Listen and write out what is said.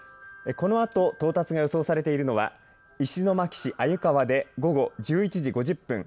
このあと到達が予想されているのは石巻市鮎川で午後１１時５０分。